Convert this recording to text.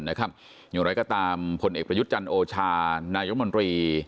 อย่างไรก็ตามผลเอกประยุทธ์จันทร์โอชานายมนตรี